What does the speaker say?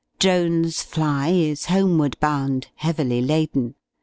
"] Drone's fly is homeward bound, heavily laden.